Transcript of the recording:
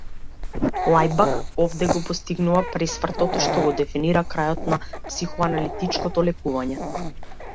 Лајбах овде го постигнува пресвртот што го дефинира крајот на психоаналитичкото лекување.